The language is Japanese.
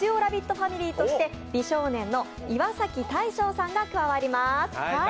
ファミリーとして美少年の岩崎大昇さんが加わります。